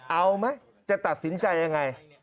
เอาไหมจะตัดสินใจยังไง